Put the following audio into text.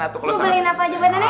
mau beliin apa aja buat nenek